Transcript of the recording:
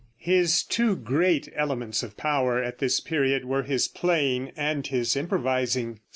His two great elements of power at this period were his playing and his improvising.